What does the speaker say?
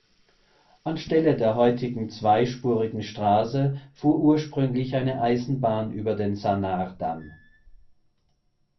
Anstelle der heutigen zweispurigen Straße fuhr ursprünglich eine Eisenbahn über den Sannar-Damm.